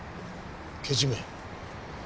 けじめ？